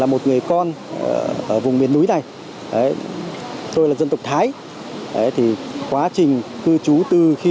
một người con ở vùng miền núi này tôi là dân tộc thái thì quá trình cư trú từ khi